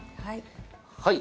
はい。